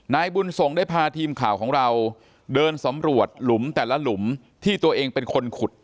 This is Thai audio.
นายบุญส่งได้พาทีมข่าวของเราเดินสำรวจหลุมแต่ละหลุมที่ตัวเองเป็นคนขุด